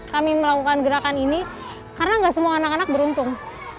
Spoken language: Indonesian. kami melakukan gerakan ini karena gak semua anak anak beruntung